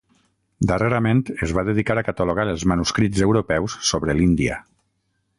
Darrerament es va dedicar a catalogar els manuscrits europeus sobre l'Índia.